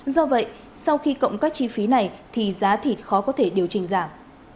do vậy sau khi cộng các chi phí này thì giá thịt khó có thể điều chỉnh giảm